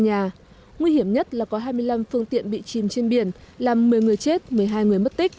nguy hiểm nhất là có hai mươi năm phương tiện bị chìm trên biển làm một mươi người chết một mươi hai người mất tích